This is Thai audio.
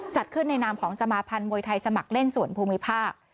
จัดขึ้นในนามของสมาพันธ์มวยไทยสมัครเล่นส่วนภูมิภาค